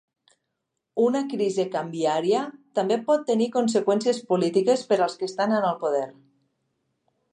Una crisi canviària també pot tenir conseqüències polítiques per als que estan en el poder.